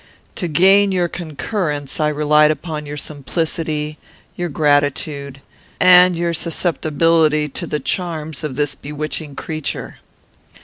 To gain your concurrence, I relied upon your simplicity, your gratitude, and your susceptibility to the charms of this bewitching creature.